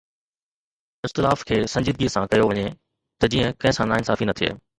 اختلاف کي سنجيدگيءَ سان ڪيو وڃي ته جيئن ڪنهن سان ناانصافي نه ٿئي